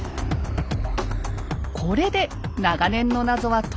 「これで長年の謎は解けた」